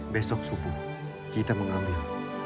besok subuh kita mengambil rumah buku